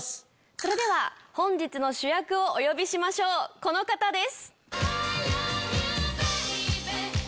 それでは本日の主役をお呼びしましょうこの方です。